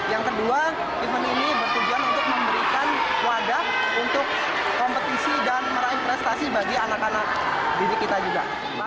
yang kedua event ini bertujuan untuk memberikan wadah untuk kompetisi dan meraih prestasi bagi anak anak didik kita juga